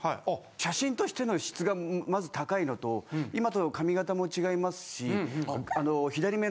写真としての質がまず高いのと今と髪形も違いますし。